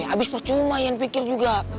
abis percuma ian pikir juga